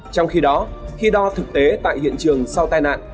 trong khi đó khi đo thực tế tại hiện trường sau tai nạn